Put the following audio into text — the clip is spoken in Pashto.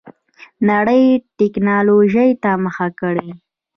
نړۍ ټيکنالوجۍ ته مخه کړه.